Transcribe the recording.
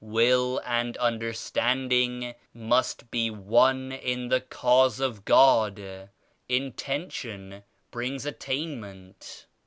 tVill and understanding must be one in the Cause d£ God. Intention brings attainment."